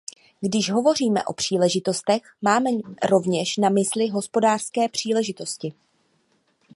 Když hovoříme o příležitostech, máme rovněž na mysli hospodářské příležitosti.